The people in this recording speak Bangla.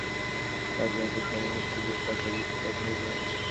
তার জ্যোতির সম্মুখে সূর্য ও চন্দ্র নিষ্প্রভ হয়ে যায়।